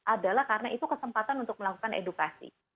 adalah karena itu kesempatan untuk melakukan edukasi